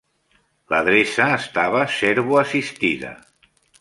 L'adreça estava servo-assistida.